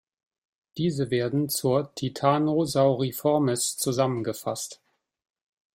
Diese werden zur Titanosauriformes zusammengefasst.